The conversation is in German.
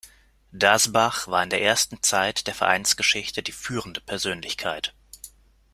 Dasbach war in der ersten Zeit der Vereinsgeschichte die führende Persönlichkeit.